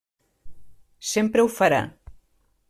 Sempre ho farà.